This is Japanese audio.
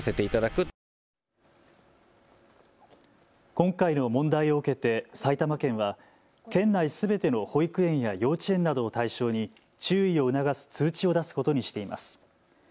今回の問題を受けて埼玉県は県内すべての保育園や幼稚園などを対象に注意を促す通知を出すことにしています。